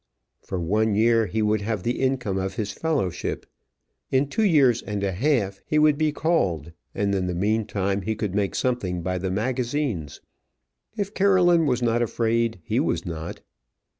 For one year he would have the income of his fellowship; in two years and a half he would be called; and in the meantime, he could make something by the Magazines. If Caroline was not afraid, he was not.